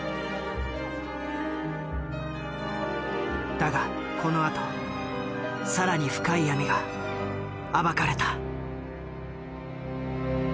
だがこのあと更に深い闇が暴かれた。